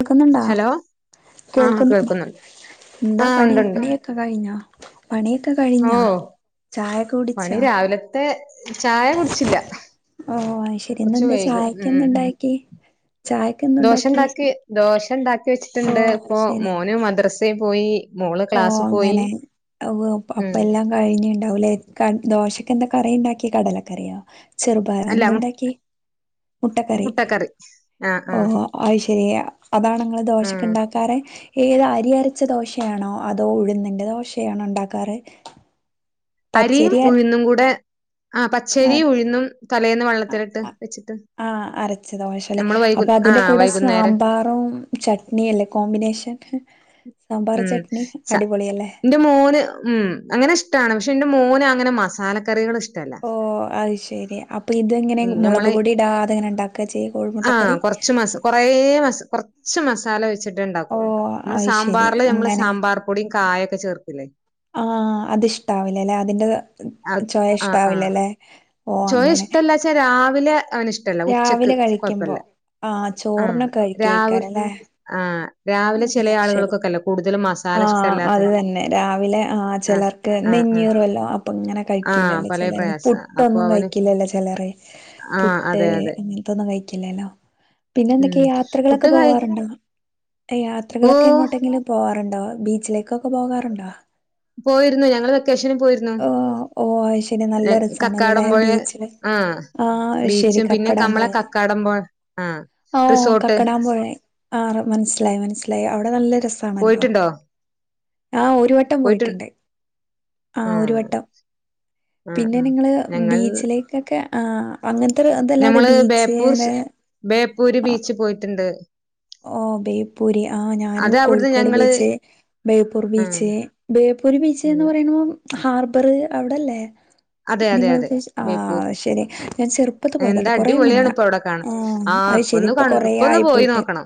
കേക്ക്ന്നിണ്ടാ hello ആഹ് കേൾക്കുന്നുണ്ടോ കേൾക്കുന്നുണ്ട് എന്താ ആഹ് പണി ഉണ്ട്ണ്ട് പണിയൊ ക്കെ കഴിഞ്ഞാ പണിയൊക്കെ കഴിഞ്ഞാ ഓഹ് ചായ കൂടി പണി രാവിലത്തെ ചായ കുടിച്ചില്ല കൊറച്ച് വൈകും ഉം [unintelligible] ക്കീ ചായ ദോശ ഇണ്ടാക്കി ദോശ ഉണ്ടാക്കി ഓ വെച്ചിട്ടുണ്ട് ഇപ്പൊ മോനു മദ്രസേ പോയി മോള് ഓഹ് ക്ലാസ് പോയി അങ്ങനെ വൊ അപ്പം ഉം എല്ലാം കഴിഞ്ഞുണ്ടാവുലേ ക ദോശക്കെന്താ കറിണ്ടാക്കിയേ കടലക്കറിയോ ചെറുപയറാ അല്ല മു എന്തുണ്ടാക്കി മുട്ടക്കറി ആഹ് ആഹ് ഓഹ്ഹോ അയ്ശെരിയ അതാണ് ഇങ്ങള് ആഹ് ദോശക്കിണ്ടാക്കാറ് ഏത് അരി അരച്ച ദോശയാണോ അതോ ഉഴുന്നിന്റെ ദോശയാണാ ഉണ്ടാക്കാറ് അരിയും പച്ചരി ഉഴുന്നുകൂടെ ആ അര പച്ചരിയും ഉഴുന്നും തലേന്ന് വെള്ളത്തിലിട്ട് ആ വെച്ചിട്ട് ആഹ് അരച്ച ദോശല്ലേ നമ്മള് വൈകു അപ്പൊ അതിന്റെ ആഹ് കൂടെ വൈകുന്നേരം സാമ്പാറും ചട്നില്ലേ കോമ്പിനേഷൻ സാമ്പാർ ഉം ചട്നി ച അടിപൊളിയല്ലേ എന്റെ മോന് ഉം അങ്ങനെ ഇഷ്ടാണ് പഷെ എന്റെ മോന് അങ്ങനെ മസാല കറികള് ഇഷ്ട ഓ അയ്ശെരി അപ്പൊ ഇതെങ്ങനെ ഉം നമ്മളെ മൊളക്പൊടിടാതെങ്ങനെ ഇണ്ടാക്ക ചെയ്യ കോഴിമുട്ടക്കറി കെറെ മസാ കൊറച്ച് മസാല വെച്ചിട്ട് ഓ ഇണ്ടാക്കുള്ളൂ നമ്മള് അത് ശരി സാമ്പാറ് റ് മ്മള് അങ്ങനെ സാമ്പാർ പൊടിയും കായൊക്കെ ചേർക്കില്ലേ ആഹ് അത് ഇഷ്ടാവില്ലല്ലെ അതിന്റെ അത് ചൊയ ആഹ് ആഹ് ഇഷ്ടാവില്ലല്ലേ ഓ ചോയ അങ്ങനെ ഇഷ്ടല്ലാച്ചാ രാവിലെ അവനിഷ്ട രാവിലെ കഴിക്കുമ്പോ ആഹ ആഹ് ചോറിനൊക്കെ രാവിൽ കയിക്കക്കാരല്ലേ ആഹ് രാവിലെ ചെല ശരി ആളുകൾക്കൊക്കെല്ലേ കൂടുതലും ആ മസാല ഇഷ്ടല്ലാത്തെ അത്‌തന്നെ രാവിലെ ആഹ് ചെലർ ആഹ് ആഹ് നെഞ്ഞീറല്ലോ അപ്പൊ ഇങ്ങനെ ആഹ് കയിക്കില്ലല്ലേ പലേ ചെലരൊന്നും പ്രയാസ അപ്പൊ പുട്ടൊന്നും അവന് കഴിക്കില്ലല്ലോ ചെലറ് ആഹ് പുട്ട് അതെ അതെ ങ്ങന തൊന്നും കയിക്കില്ലല്ലോ പിന്നെ ഉം എന്തൊക്കെയാ യാത്രകളൊക്കെ പുട്ട് കഴി പോവാറുണ്ടോ യാത്രകളൊക്കെ ഓഹ് എങ്ങോട്ടെങ്കിലും പോവാറുണ്ടോ ബീച്ചിലേക്കൊക്കെ പോകാറുണ്ടോ പോയിരുന്നു ഞങ്ങള് വെക്കേഷനിൽ പോയിരുന്നു ഓഹ് ഓഹ് അത് ശരി നല്ല രസാണല്ലോല്ലേ കക്കാടൻ പൊഴേ ബീച്ചില് ആഹ് ആഹ് ശരി ബീച്ചും പിന്നെ കക്കടാൻ കമ്മളെ പോയല്ലേ കക്കാടമ്പോഴ ആഹ് ഓഹ് കക്കടാൻ പോഴെ ആ മൻസ്സിലായി മൻസ്സിലായി അവിടെ നല്ല രസ ണല്ലോ പോയിട്ടുണ്ടോ ആഹ് ഒരുവട്ടം പോയിട്ട് പോയിട്ടുണ്ട് ആ ആഹ് ഒരുവട്ടം ആ പിന്നെ ആ നിങ്ങള് ഞങ്ങൾ ബീച്ചിലേക്ക് ക്കൊക്കെ ആഹ് അങ്ങൻത്തൊരു അതല്ലാതെ ഞമ്മള് ബേപ്പൂർ ബീച്ചേൽ സ് ബേപ്പൂര് ബീച്ചി പോയിട്ടുണ്ട് ഓഹ് ബേപ്പൂരി ആഹ് ഞാനു അത് അവിടുന്ന് കോഴിക്കോട് ഞങ്ങള് ബീച്ച് ബേപ്പൂർ ആ ബീച്ച് ബേപ്പൂര് ബീച്ച് എന്ന് ഉം പറയുമ്പോ ഹാർബറ് അവിടെല്ലേ അതെ അതെ അതെ നിങ്ങളുദേശി ബേപ്പൂർ ആഹ് ശെരി ഞാൻ ചെറുപ്പത്ത് എന്താ പോയതാട്ടെ കുറെ മുന്ന അടിപൊളിയാണ് ഇപ്പൊ അവിടെ കാണാൻ ആഹ് ആ അയ്ശെരി ഒന്ന് ക ഇപ്പൊ ഒന്ന് കൊറായായി പോയി പോയിട്ട് നോക്കണം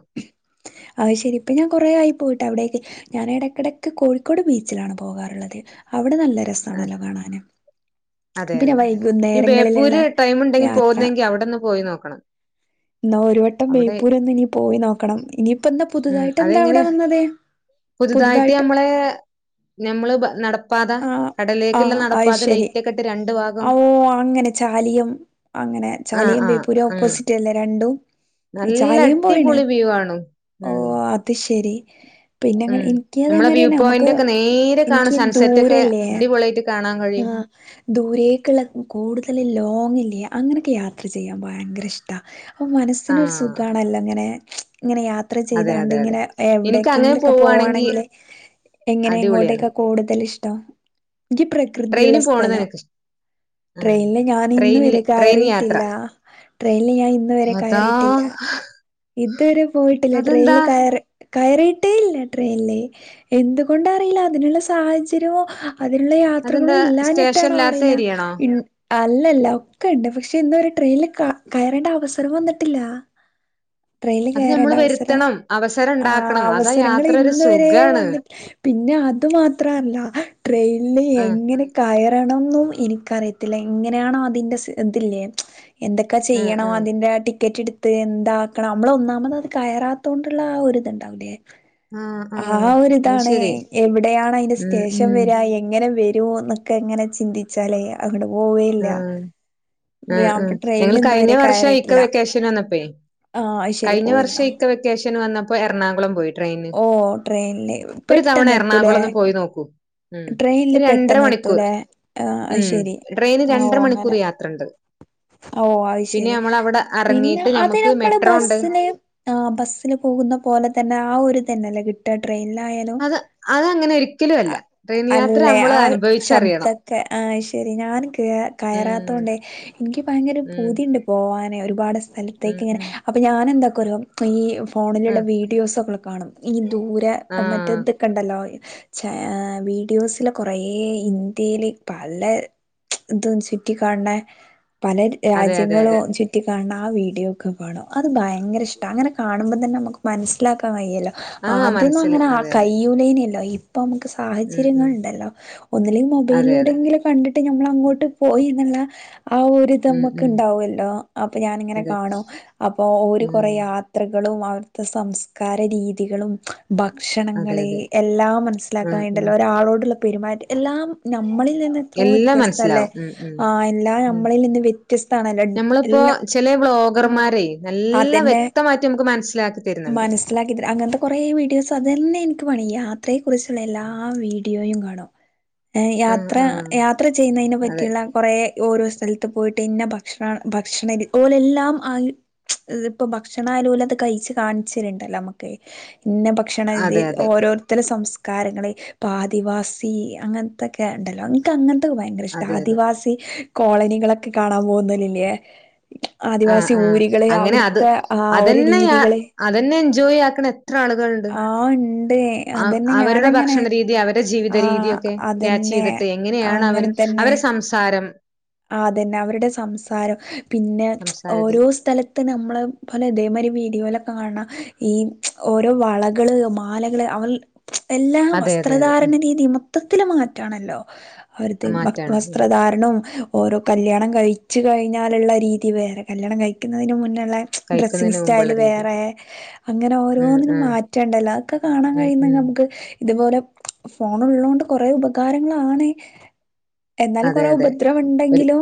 അയ്ശെരി ഇപ്പം ഞാൻ കുറെയായി പോയിട്ട് അവിടേക്ക് ഞാൻ ഇടയ്ക്കിടയ്ക്ക് കോഴിക്കോട് ബീച്ചിലാണ് പോകാറുള്ളത് അവിട നല്ല ആ, രസാണല്ലോ കാണാന് അതെ പിന്നെ അതെ ഈ വൈകുന്നേരങ്ങളിലുള്ള ബേപ്പൂര് ടൈമ്ണ്ടെങ്കിൽ യാത്ര പോകുന്നെങ്കിൽ അവിടെന്ന് പോയി നോക്കണം ന്നാ ഒരു വട്ടം അവിടെ ബേപ്പൂരന്നാ ഇനി പോയി നോക്കണം ഇനിയിപ്പ എന്താ ഉം പുതുതായിട്ട് എന്താ അതെങ്ങനെ അവിടെ വന്നത് പുതുതായിട്ട് ഞമ്മളെ ഞമ്മള് നടപ്പാത ആഹ കടലേക്കുള്ള നടപ്പാത അയ്ശരി ലൈറ്റൊക്കെ ഇട്ട് രണ്ട് ഭാഗം ഓ അങ്ങനെ ചാലിയം അങ്ങനെ ആഹ് ചാലിയം ആഹ് ബേപ്പൂര് ആഹ് ഓപ്പോസിറ്റ് അല്ലേ രണ്ടും ചാലിയം പോയിണ് ക്യൂ ആണ് ഉം ത് ശരി പിന്നെങ്ങനെ ഉം എനിക്ക് നമ്മളെ വ്യൂ അതേമാരിന്നെ നമുക്ക് പോയിന്റ് ഒക്കെ എനിക്ക് ദൂരല്ലേ [unintelligible] കാണ ഇആഹ് ദൂരേക്ള്ള കൂടുതൽ ലോങ്ല്ലേ അങ്ങനെയൊക്കെ യാത്ര ചെയ്യാൻ ഭയങ്കര ഇഷ്ട അപ്പോൾ മനസ്സിനൊരു ആഹ് സുഖണല്ലോ ഇങ്ങനെ ഇങ്ങനെ യാത്ര അതെ ചെയ്താണ്ട് അതെ അതെ ഇങ്ങനെ എനിക്ക് അങ്ങനെ എവിടെക്കെങ്കിലും ക്കാ പോവാണെങ്കി പോവാണെങ്കിൽ എങ്ങനെ അടിപൊളിയാണ് എങ്ങോട്ടെക്ക കൂടുതൽ ഇഷ്ടം എനിക്ക് പ്ര ട്രെയിന് പോണന്നാ എനക്ക് ട്രെയിനില് ഞാൻ ഇന്ന് വരെ ട്രെയിൻ യാത്ര കയറിയിട്ടില്ല ട്രെയിനിൽ ഞാൻ ഇന്ന് വരെ അതാ കയറിയിട്ടില്ല ഇതുവരെ പോയിട്ടില്ല അതെന്താ ട്രെയിനിൽ കയറി കയറിയിട്ടേ ഇല്ല ട്രെയിനില് എന്തുകൊണ്ട അറിയില്ല അതിനുള്ള സാഹചര്യമോ അതിനുള്ള അതെന്താ യാത്രകളും സ്റ്റേഷൻ ഇല്ലാഞ്ഞിട്ടാണോ ഇല്ലാത്ത അറിയില്ല ഏരിയാണോ ഇ അല്ലല്ല ഒക്കെ ഉണ്ട് പക്ഷേ ഇന്ന് വരെ ട്രെയിനിൽ കയറേണ്ട അവസരം വന്നിട്ടില്ല. ട്രെയിനിൽ അത് ഞമ്മള് കയറണ്ട അവസരം വരുത്തണം അവസരം ആ ഉണ്ടാക്കണം അതാ അവസരങ്ങൾ യാത്ര ഒരു ഇന്ന വരെ സുഖാണ് വന്നി പിന്നെ അതു മാത്രമല്ല ട്രെയിനിൽ ആഹ് എങ്ങനെ കയറണംന്നും ഇനിക്കറിയത്തില്ല ഇങ്ങനെയാണോ അതിന്റെ [unintelligible] ഇതില്ലേ എന്തൊക്കെ ആഹ് ചെയ്യണം ആഹ് അതിന്റെ ടിക്കറ്റ് എട്ത്ത് എന്താ കണം നമ്മള ഒന്നാമത് അത് കയറാത്ത കൊണ്ടുള്ള ആ ഒരുത്ണ്ടാവുലേ ആ അത് ഒരിതാണ് ശരി. എവിടെയാണ് അതിന്റെ ഉം സ്റ്റേഷം ഉം. വര എ എങ്ങനെ വരുന്നൊക്കെ എങ്ങനെ ചിന്തി ച്ചാലേ അങ്ങട് ആ പോവേല്ല ആ ഞാൻ ട്രെയിനിൽ ഇന്ന് വരെ കയറിയിട്ടില്ല. [unintelligible] വന്ന പേ ആഹ് അയ്ശരി കഴിഞ്ഞ പോയിരുന്നോ വർഷം ഇക്ക വെക്കേഷന് വന്നപ്പോ എറണാകുളം പോയി ട്രെയിന് ഓ ട്രെയിനില് ഒരു തവണ പെട്ടെന്ന് എത്തൂലേ എറണാകുളംന്നും പോയി നോക്കൂ. ഉം ട്രെയിനില് രണ്ടര പെട്ടെന്ന് മണിക്കൂർ എത്തൂലേ ആഹ് അത് ഉം ശരി ട്രെയിന് രണ്ടര മണിക്കൂർ യാത്ര ഉണ്ട്. ഓ അത് ശരി പിന്നെ എറങ്ങിയിട്ട് അത് ഞമ്മക്ക് നമ്മള് മെട്രോ ഉണ്ട്. ബസ്ന് ആ ബസിൽ പോകുന്ന പോലെ തന്നെ ആ ഒരു തന്നെല്ല കി ട്ട ട്രെയിനിലായാലും അത് അതങ്ങനെ ഒരിക്കലും അല്ല. ട്രെയിൻ യാത്ര അല്ലേ നമ്മള് ആ ശബ്ദ അനുഭവിച്ചറിയണം. അഹ് ശരി ഞാൻ ക ഉം കയറാത്തതോണ്ടേ ഇനിക്ക് ഭയങ്കര ഉം പൂതിയുണ്ട്. പോവാനെ ഒരുപാട് ഉം സ്ഥലത്തേക്ക് ഇങ്ങനെ ഉം. അപ്പൊ ഞാനന്താക്കുറിയേ പ്പ ഈ ആ ഫോണിലുള്ള വീഡിയോസൊക്കെ കാണും ഈ ദൂരെ ആ. മറ്റത് കണ്ടല്ലോ [unintelligible] വീഡിയോസൽ കുറേ ഇന്ത്യയില് പല ഇത് ചുറ്റി കാണ് ണ പല അതെ അതെ രാജ്യങ്ങളും അതെ. ചുറ്റികാണ് ണ ആ വീഡിയോ ഒക്കെ വേണം അത് ഭയങ്കരഷ്ടണ്. അങ്ങനെ കാണുമ്പം തന്ന നമുക്ക് മനസിലാക്കൻ വയ്യല്ലോ ആ ആദ്യംന്നും മനസ്സില് അങ്ങനെ ആ അതെ അതെ. കയ്യൂലേനല്ലോ ഇപ്പൊ നമുക്ക് ഉം ഉം. സാഹചര്യങ്ങൾണ്ടല്ലോ ഒന്നിലും അതെ അതെ. മൊബൈലിലൂടെയങ്കിലും കണ്ടിട്ട് ഞമ്മൾ അങ്ങോട്ട് പോയിന്നുള്ള ആ ഒരുത് ഇത് ഉം ഉം അമ്മക്ക്ണ്ടാവല്ലോ അപ്പൊ ഞാനിങ്ങനെ അതെ. കാണും അപ്പൊ ഒരു ഉം. കൊറേ യാത്ര യാത്രകളും അവിടുത്തെ സംസ്കാര രീതികളും അതെ ഭക്ഷണങ്ങള് അതെ. എല്ലാം മനസ്സിലാക്കാൻ ആഹ് വേണ്ടില്ല ആഹ്. ഒരാളോടുള്ള പെരുമാറ്റം എല്ലാം നമ്മളിൽ നിന്ന് എത്രോ എല്ലാം വ്യത്യസ്ത അല്ലേ മനസ്സിലാവും. ഉം ഉം ആ എല്ലാ ഉം. നമ്മളിൽ നിന്ന് വ്യത്യസ്ത ആണല്ലോ എല്ലാം ചേലെ ബ്ലോഗർമാരെ നല്ല വ്യക്തമായിട്ടി നമുക്ക് മനസ്സിലാക്കി തരുന്നുണ്ട്. മനസ്സിലാക്കിതരാ അങ്ങനത്തെ കുറേ വീഡിയോസ് അതു തന്നെ എനിക്ക് പണി യാത്രയെക്കുറിച്ചുള്ള എല്ലാ വീഡിയോയും കാണും. ആഹ് യാത്ര ആഹ്. യാത്ര ചെയ്യുന്നതിനെ അതെ. പറ്റിയുള്ള കുറേ ഓരോ സ്ഥലത്ത് പോയിട്ട് ഇന്നെ ഭക്ഷണ ഭക്ഷണ രി ഓലല്ലാം ആ ഇ ഇപ്പോ ഭക്ഷണാലൂലത് കഴിച്ചു കാണിച്ചിരണ്ടല്ലോ നമ്മുക്ക് ഓക്കെ പിന്നെ ഭക്ഷണം ഇത് അതെ അതെ. ഓരോ ഇത്തരം സംസ്കാരങ്ങൾ ഇപ്പോൾ ആദിവാസി അങ്ങനത്തൊക്കെ ഉണ്ടല്ലോ അങ്ങനത്തെക്കെ ഭയങ്കര ഇഷ്ട അതെ അതെ. ആദിവാസി കോളനികളൊക്കെ കാണാൻ പോകുന്ന ലില്ലേ ആദിവാസി ആ ഊരുകള് അങ്ങനെ അത് അവിടുത്തെ ആ ഒരു അതന്നെ ഞ രീതികള് അതെന്നെ എൻജോയ് ആക്ക്ണ അ ആളുകൾ ഉണ്ട് ആ ഉണ്ട് അതന്നെ അവരുടെ ഞാനങ്ങനെ ഭക്ഷണരീതി അവരുടെ ജീവിത ആ രീതിക്കെ ക്യാച്ച് അതന്നെ ചെയ്തിട്ട് എങ്ങനെയാണ് അവര് അവരെ സംസാരം ആതന്നെ അവരുടെ സംസാരം പിന്നെ സംസാര ഓരോ രീതി. സ്ഥല ക്ക നമ്മള് പോലെ ഇതേ മരി വീഡിയോയിലൊക്കെ കാണ ഈ ഓരോ വളകള് മാലകള് അവൾ എല്ലാം അതെ അതെ അതെ. ഉം. വസ്ത്രധാരണ രീതി മൊത്തത്തില് മാറ്റാണല്ലോ അവര്തിം വ മാറ്റാണ്. ഉം. വസ്ത്രധാരണും ഓരോ കല്യാണം കഴിച്ച് കഴിഞ്ഞാല്ള്ളെ രീതി വേറെ കല്യാണം കഴിക്കുന്നതിന് മുന്നെ ള്ളെ ഡ്രെസ്സിങ് കഴിക്കുന്നതിന് മുമ്പുള്ള സ്റ്റൈല് രീതി. വേറെ അങ്ങനെ ഉം ഓരോന്നിനും ആഹ്. മാറ്റാണ്ടല്ലോ അതൊക്കെ കാണാൻ ഉം കഴിയുന്നെനെ ഉം. നമുക്ക് ഇതുപോലെ ഫോൺ ഉളോണ്ട് കുറെ ഉപകാരങ്ങളാണ് എന്നാലും അതെ കുറെ അതെ. ഉപദ്രവം ഒരു ഉണ്ടെങ്കിലും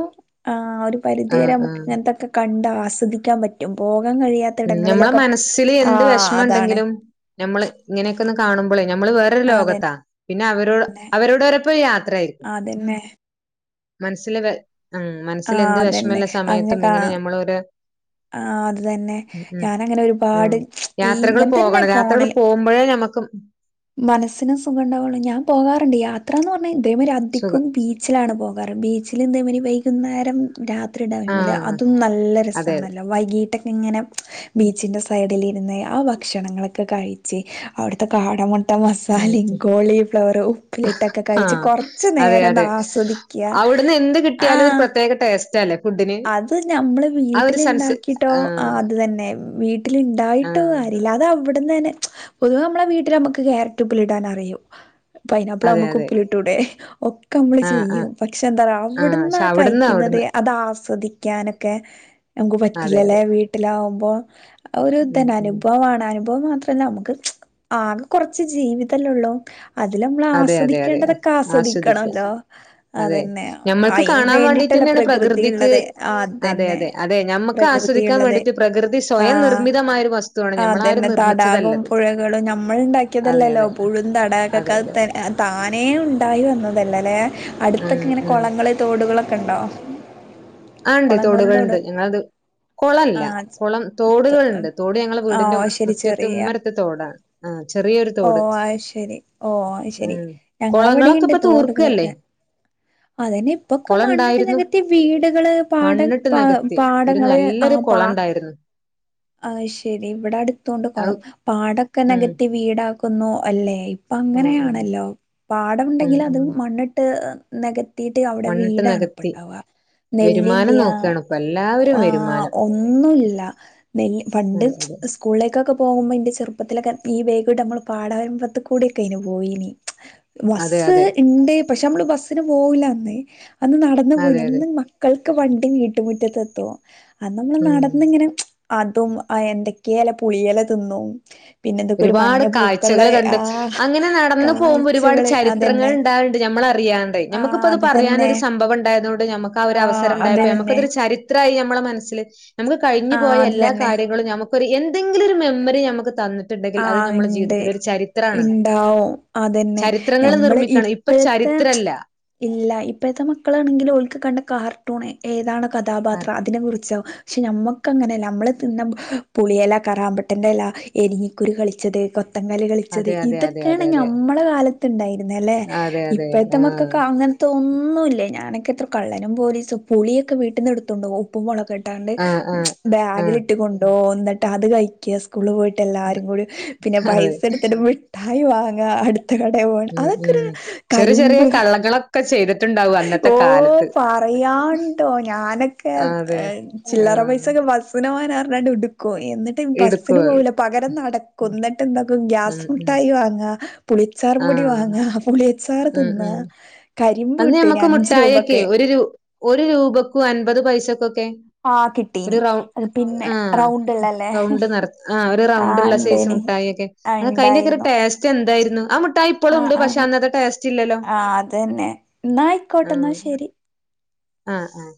ആഹ് ഒരു പരിധി വരെ ആഹ് നമ്മക്ക് ആഹ്. ഇതൊക്കെ കണ്ട് ആസ്വദിക്കാൻ പറ്റും പോകാൻ കഴിയാ ഉം ഞമ്മളെ മനസ്സില് എന്ത് വെഷ്മം അതാണ് ഇണ്ടെങ്കിലും നമ്മള് ഇങ്ങനെയൊക്കെ ഒന്ന് കാണുമ്പോളേ നമ്മള് വേറൊരു ലോകത്താ അതന്നെ പിന്നെ അവർ അവരോട് അവരോടരപ്പ യാത്ര ആയിരിക്കും അതന്നെ മനസ്സില് വെ ഉം ആ മനസ്സില് എന്ത് വിഷമെള്ള സമയത്തും കാ ഇങ്ങനെ ഞമ്മളൊരോ ആഹ് അതന്നെ ഞാന അങ്ങനെ ഉം. ഒരുപാട് ഈ യാത്രകള് ഇങ്ങനെ തന്നെ പോകണം. ഫോണ് യാത്രകള് പോകുമ്പഴേ ഞമ്മക്ക് മനസ്സിന് സുഖംണ്ടാവണം, ഞാം പോകാറ്ണ്ട് യാത്ര എന്ന് പറഞ്ഞാ ഇതെ മാരി അധിക്കും സുഖം ബീ ച്ചിലാണ് പോകാറ് ബീച്ചില് ഇതേമാരി വൈകുന്നേരം രാത്രി ടൈമില് ആഹ് അതും നല്ല അതെ അതെ. രസമാണല്ലോ വൈകീട്ടെക്കെ ഇങ്ങനെ ബീച്ചിന്റെ സൈഡില്. ഇര്ന്ന്‌ ആഹ് ഭക്ഷണങ്ങളൊക്കെ കഴി ച്ച് അവിട്ത്തെ കാട മു ഇട്ട ഉം മസാലിം ഉം. കോളി ഫ്ലവറ് ഉപ്പിലിട്ടൊക്കെ കഴിച്ച് കുറച്ച് നേരം ആസ്വദി അവിട്ന്ന് എന്ത് കിട്ടിയാലും ഒരു പ്രത്യേക ടേസ്റ്റ് അല്ലേ അത് നമ്മള് വീട്ടില്ണ്ടാക്കിട്ടോ ആഹ് അത് തന്നെ വീട്ടില് ഉണ്ടായിട്ടോ ആഹ്. കാരല്ല്യ അതാ ഇവിട്ന്നന്നെ പൊതുവേ നമ്മളെ വീട്ടിൽ നമുക്ക് കരറ്റ് ഉപ്പിലിടാൻ അറിയും പൈനപ്പിള് അതെ ആവുമ്പോ അതെ. ഉപ്പില് ട്ടുടെ ഒക്കെ നമ്മള് ആഹ് ആഹ്. ചെയ്യും പക്ഷെ എന്താ ആഹ് അവിട്ന്നാ പക്ഷെ അവിടുന്ന് കഴിക്കുന്നത് അവിടുന്ന് അതാ സ്വദിക്കാനൊക്കെ നമക്ക് അതെ പറ്റില്ലല്ലേ അതെ വീട്ടിലാവുമ്പോ ഒരു ഉം തെനെ ഉം അനുഭവാണ് അനുഭവം ന്ന് പറ് തന്നെ നമുക്ക് ആകെ കുറച്ച് ജീവിതല്ലെ ഒള്ളൂ അതിൽ നമ്മൾ അതെ അതെ അതെ ആസ്വദിക്കേണ്ടതൊക്കെ ആസ്വദിക്ക ആസ്വദിക്കണല്ലോ അതന്നെ അയ്ന് വേണ്ടി പിന്നെണ് പ്രകൃതിക്ക് അതെ ആഹ് അതെ അതനെ അതെ അതെ ഞമ്മക്ക് ആസ്വദിക്കാൻ പ്രകൃതിയ്ള്ളത് വേണ്ടിട്ട് പ്രകൃതി സ്വയം ആഹ് നിർമ്മിതമായ ഒരു വസ്തുവാണ് ആഹ് ഞമ്മൾ ആരും അതന്നെ തടാകവും നിർമ്മിച്ചതല്ലത് പുഴകളും ഞമ്മൾ അതെ ഉണ്ടാക്കിയതല്ലല്ലോ അതെ പുഴും തടാക അതെ അതെ ക്കക്കെ അഹ് താനേ ഉണ്ടായി വന്നതല്ലേ ല്ലെ ഉം അട്ത്തൊക്കെ ഇങ്ങനെ ഉം കുളങ്ങള് തോടുകളൊക്കെ ഇണ്ടോ ആഹ് ഇണ്ട് തൊട്കള്ണ്ട് ഇങ്ങള്ത് കുളല്ല ആഹ് കുളം തോടുകളുണ്ട് തോട് ഞങ്ങൾ ആഹ് വീടിന്റെ ഓ ശരി മുറ്റത്ത് ചെറിയ ഉമ്മരത്ത് തോടാ ഓ അഹ് ശരി ഓ അഹ് ശെരി ഉം കുളങ്ങളൊക്കെ ഞങ്ങളവിടിണ്ട് ഇപ്പൊ തൂർക്കല്ലേ തോടുകളൊക്കെ അതനെ ഇപ്പൊക്കെ കുളം മണ്ണിട്ട് ഉണ്ടായിരുന്നു നെകത്തി വീട്കള് പാടൻ മണ്ണിട്ട് പാ നികത്തി ഒരു പാടങ്ങള് നല്ലൊരു ആഹ് പാ കുളം ഉണ്ടായിരുന്നു ആഹ് ശരി ഇവിടെ അട്ത്തുണ്ട് അത് കൊളം പാടൊക്കെ ഉം. നെകത്തി വീടാ കുന്നു അല്ലേ ഇപ്പ ഉം അങ്ങനെ ഉം ണെല്ലോ. ഉം പാടംണ്ടെങ്കില് അത് ഉം. മണ്ണിട്ട്. നെകത്തീട്ട് അഹുടെ മണ്ണിട്ട് വീടാണ് നികത്തി. ഇപ്പണ്ടാവ. വരുമാനം നെല്ലില്ലിയ നോക്കാണ് ഇപ്പൊ എല്ലാവരും ആഹ വരുമാനം. ഒന്നുല്ല നെല്ല് പണ്ട്. അതെ അതെ. സ്കൂളിലേക്കൊക്കെ പോകുമ്പ ഇന്റെ ചെറുപ്പത്തിലക്കെ ഈ വൈകിട്ട് നമ്മൾ പാടവരമ്പത്ത് കൂടെക്കെനി പോയി നി അതെ ബസ്സ് അതെ. ഇണ്ട് പക്ഷെ നമ്മള് ബസ്സിന് പോവുല്ല അന്ന് അന്ന് നടന്ന് അതെ പോയിന് അതെ. ഇന്ന് മ മക്കൾക്ക് വണ്ടി വീട്ട് മുറ്റത്ത് എത്തും അന്ന് നമ്മള് ഉം. നടന്നിങ്ങനെ. അതും എന്തൊക്കെ ല്ലെ പുളിയല തിന്നും. പിന്നെ എന്തൊക്കെ ഒരു ഒരുപാട് മഞ്ഞ പൂക്കള കാഴ്ചകള് കണ്ട് ആ അങ്ങനെ നടന്നു പോകുമ്പോ ഒരുപാട് കാഴ്ചകള് ചരിത്രങ്ങൾ അതന്നെ ണ്ടാകല്ണ്ട് ഞമ്മളറിയാ ണ്ട് ആ ഞമ്മക്ക്ത്പ്പൊ അത് തന്നെ പറയാനൊര് സംഭവണ്ടായതോണ്ട് ഞമ്മക്ക് ആ ഒരു അവസരം അത് ണ്ടായപ്പൊ തന്നെ ഞമ്മക്കതൊരു ചരി ത്രായി ഞമ്മളെ മനസ്സില് നമ്മക്ക് കഴിഞ്ഞു ആ പോയ അത് എല്ലാ തന്നെ കാര്യങ്ങളും ഞമ്മ ക്കൊര് എന്തെങ്കിലൊര് മെമ്മറി ഞമ്മക്ക് തന്ന് ട്ട്ണ്ടെങ്കിൽ അത് ആഹ് ഞമ്മളെ ഇണ്ട് ജീവിതത്തില് ഒരു ചരിത്രാണ് ഇണ്ടാവും അതന്നെ ചരിത്രങ്ങൾ ഞമ്മള് നിർമ്മിക്കണം ഈ ഇപ്പൊ ഇപ്പഴത്തെ ചരിത്രല്ല ഇല്ല ഇപ്പഴ്ത്തെ മക്കളാണെങ്കിലോ ഓൽക്ക് കണ്ട കാർട്ടൂണ് ഏതാണ് കഥാപാത്രം അതിനെ കുറിച്ചാവും പക്ഷെ ഞമ്മക്കങ്ങനല്ല നമ്മള് തിന്ന പുളിയെല കറാമ്പട്ടെന്റെല എരിഞ്ഞി കുരു കളിച്ചത് കൊത്തങ്കല്ല് കളിച്ചത് അതെ അതെ അതെ അതെ ഇതൊക്കെണ് അതെ. ഞമ്മ മ്മളെ കാലത്ത്ണ്ടായിര്ന്ന ലെ അതെ, അതെ. ഇപ്പഴ്ത്തെ ആഹ്. മക്കക്ക് അങ്ങൻ തൊന്നുല്ല ഞാനൊക്കെ എത്ര കള്ളനും പോലീസും പുളിയൊക്കെ വീട്ട്ന്ന് ഇട്ത്തൊണ്ടോവും ഉപ്പും മൊളകുട്ടാണ്ട് ആഹ്, ആഹ്. ആഹ്. ബാഗിലിട്ട് കൊണ്ടോവും ന്ന്ട്ട് അത് കഴിക്ക സ്കൂള് പോയിട്ടെല്ലാ രും കൂടി പിന്നെ അതെ. പൈസ ഇട്ത്ത്ട്ട് മിട്ടായി വാങ്ങ അട് ത്ത കടേ പോണ് ഉം, ഉം. അതൊക്കൊരു ചെറിയ ചെറിയ കരിമ്പ് കള്ളങ്ങളൊക്കെ ചെയ്തിട്ടുണ്ടാവും അന്നത്തെ ഓ കാലത്ത്. പറയാണ്ടോ ഞാനൊക്കെ അതെ. ചില്ലറ ആഹ്. പൈസക്കെ ബസ്സ്ന് പോകാനാർഞ്ഞാണ്ട് ട്ക്കും എന്നിട്ട് ബസ്സിന് എടുക്കും അത്. പോവൂല പകരം നടക്കും ന്ന് ന്ന്ട്ടെന്താക്കും ഉം, ഗ്യാസ് ഉം. മുട്ടായി വാങ്ങാ പുളിയച്ചാറുമ്പൊടി ആഹ്. വാങ്ങാ പുളി സാർ തിന്ന കരിമ്പ് കിട്ടേനി നമ്മക്ക് അഞ്ച് മിട്ടായിയൊക്കെ രൂപക്ക് ഒരു രൂ ഒരു രൂപക്കും അൻപത് പൈസക്കൊക്കെ ആഹ് ഒരു കിട്ടീനി റൗ അത് പിന്നെ ആഹ് റൗണ്ട്ള്ളല്ലേ റൗണ്ട് നെറ ആ ഒരു ആഹ് റൗണ്ട്ള്ള സെയ്സ് ഇണ്ടേനി മുട്ടായിക്കെ ആഹ് അതൊക്ക അയിന്റൊക്കൊരു ഇണ്ടായിരുന്നു ടേസ്റ്റ് എന്തായിരുന്നു ആ മുട്ടായി ഇപ്പളും ആഹ് ണ്ട് പക്ഷെ ആഹ് അന്നത്തെ ടേസ്റ്റ്ല്ലല്ലോ ആഹ് അതെന്നെ ന്നായി ആഹ് ആഹ് ആഹ്